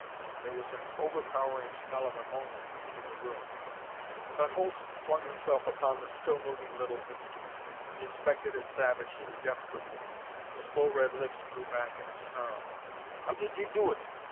And there was an overpowering smell of ammonia in the room. Von Holtz flung himself upon the still moving little instrument. He inspected it savagely, desperately. His full red lips drew back in a snarl. "How did you do it?"